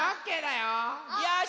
よし！